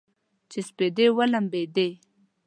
چې سپېدې ولمبیدې